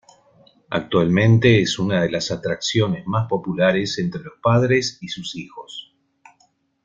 Actualmente es una de las atracciones más populares entre los padres y sus hijos.